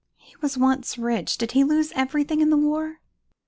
"He was once rich. Did he lose everything in the war?"